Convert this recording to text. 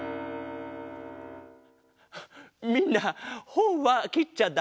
みんなほんはきっちゃだめだぞ。